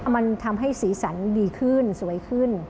มันทำให้สีสันดีขึ้นสวยขึ้น